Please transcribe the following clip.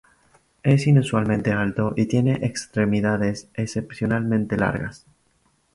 Es inusualmente alto y tiene extremidades excepcionalmente largas.